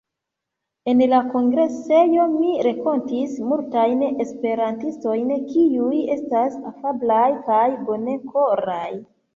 En la kongresejo mi renkontis multajn esperantistojn, kiuj estas afablaj kaj bonkoraj.